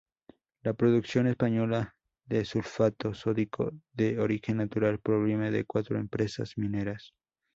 La producción española de sulfato sódico de origen natural proviene de cuatro empresas mineras.